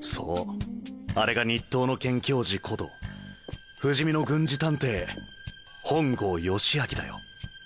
そうあれが日東の剣児こと不死身の軍事探偵本郷義昭だよ。